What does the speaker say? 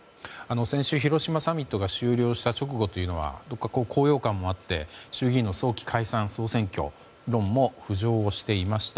先週、広島サミットが終了した直後というのはどこか高揚感もあって衆議院の早期解散・総選挙論も浮上していました。